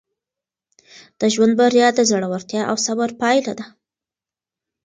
د ژوند بریا د زړورتیا او صبر پایله ده.